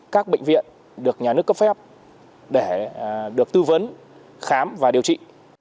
các bệnh viện được nhà nước cấp phép để được tư vấn khám và điều trị